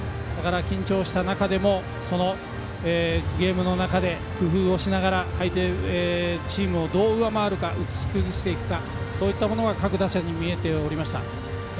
緊張した中でも、ゲームの中で工夫をしながら相手チームをどう上回るか打ち崩していくかそういったものが各打者に見えておりました。